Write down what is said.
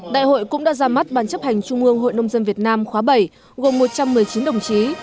đại hội cũng đã ra mắt ban chấp hành trung ương hội nông dân việt nam khóa bảy gồm một trăm một mươi chín đồng chí